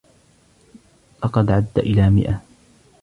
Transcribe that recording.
لقد عد الي مائه.